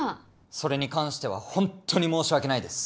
それに関してはほんっとに申し訳ないです。